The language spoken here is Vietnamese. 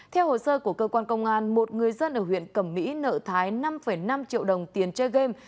theo hồ sơ của cơ quan công an một người dân ở huyện cẩm mỹ nợ thái năm năm triệu đồng tiền chơi game